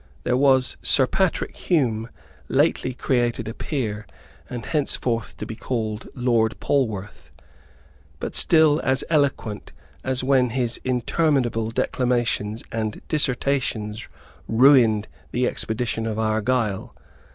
There was Sir Patrick Hume, lately created a peer, and henceforth to be called Lord Polwarth, but still as eloquent as when his interminable declamations and dissertations ruined the expedition of Argyle.